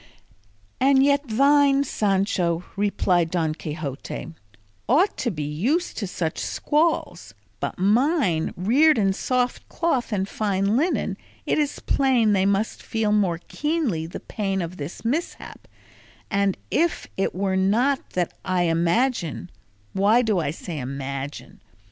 "And yet thine, Sancho," replied Don Quixote, "ought to be used to such squalls; but mine, reared in soft cloth and fine linen, it is plain they must feel more keenly the pain of this mishap, and if it were not that I imagine why do I say imagine?